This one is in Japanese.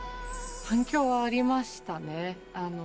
反響はありましたね。